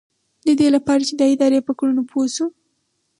ددې لپاره چې د ادارې په کړنو پوه شو.